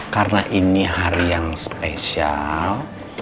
karena ini hari yang spesial